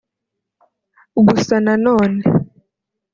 gusa na none